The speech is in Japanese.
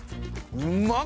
うまっ